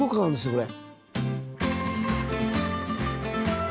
これ。